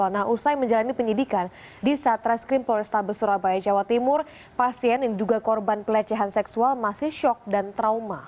nah usai menjalani penyidikan di satreskrim polrestabes surabaya jawa timur pasien yang diduga korban pelecehan seksual masih shock dan trauma